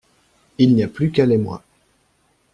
Il n’y a plus qu’elle et moi.